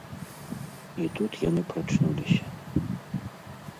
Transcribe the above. І тут яны прачнуліся!